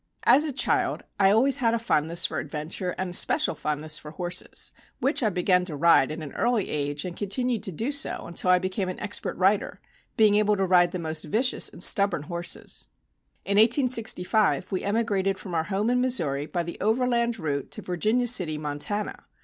"As a child I always had a fondness for adventure and especial fondness for horses, which I began to ride at an early age and continued to do so until I became an expert rider, being able to ride the most vicious and stubborn horses. "In 1865 we emigrated from our home in Missouri by the overland route to Virginia City, Montana.